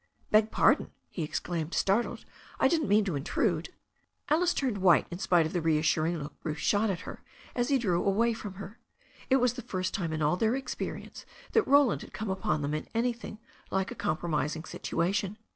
"Beg pardon," he exclaimed, startled. "I didn't mean to intrude." Alice turned white in spite of the reassuring look Bruce shot at her as he drew away from her. It was the first time in all their experience that Roland had come upon them in anything like a compromising situation.